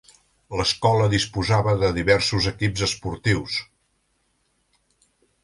L'escola disposava de diversos equips esportius.